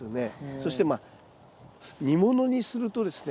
そしてまあ煮物にするとですね